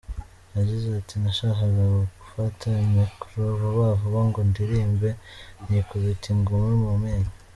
Yagize ati “Nashakaga gufata micro vuba vuba ngo ndirimbe, nikubita ingumi mu menyo”.